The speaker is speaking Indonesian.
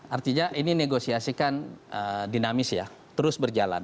artinya ini negosiasikan dinamis ya terus berjalan